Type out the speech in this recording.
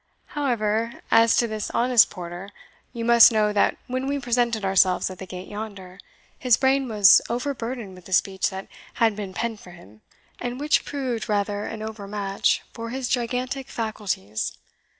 However, as to this honest porter, you must know that when we presented ourselves at the gate yonder, his brain was over burdened with a speech that had been penned for him, and which proved rather an overmatch for his gigantic faculties.